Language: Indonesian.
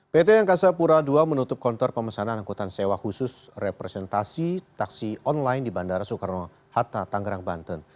pt angkasa pura ii menutup konter pemesanan angkutan sewa khusus representasi taksi online di bandara soekarno hatta tanggerang banten